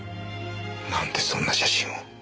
なんでそんな写真を。